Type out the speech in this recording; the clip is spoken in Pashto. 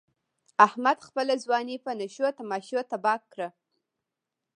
احمد خپله ځواني په نشو تماشو تباه کړ.